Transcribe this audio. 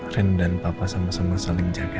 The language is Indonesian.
rena dan papa sama sama saling jaga ya